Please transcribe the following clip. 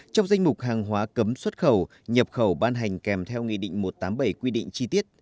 trong danh mục hàng hóa cấm xuất khẩu nhập khẩu ban hành kèm theo nghị định một trăm tám mươi bảy quy định chi tiết